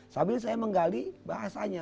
sambil saya menggali bahasanya